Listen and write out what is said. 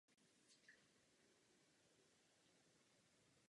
Hlavní z nich je Ural.